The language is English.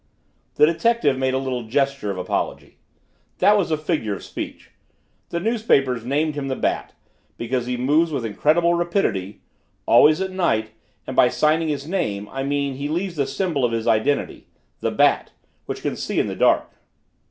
The detective made a little gesture of apology. "That was a figure of speech. The newspapers named him the Bat because he moved with incredible rapidity, always at night, and by signing his name I mean he leaves the symbol of his identity the Bat, which can see in the dark."